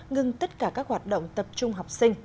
ngừng tất cả các hoạt động tập trung học sinh